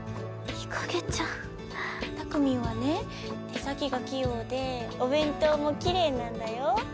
たくみんはね手先が器用でお弁当もきれいなんだよ。